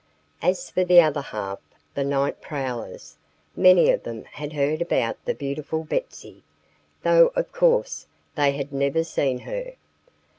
As for the other half the night prowlers many of them had heard about the beautiful Betsy, though of course they had never seen her.